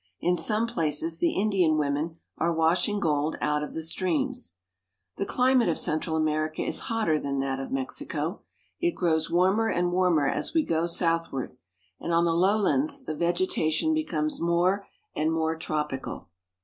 In some places the Indian women are washing gold out of the streams. The climate of Central America is hotter than that of Mexico. It grows warmer and warmer as we go south ward, and on the lowlands the vegetation becomes more and more tropical.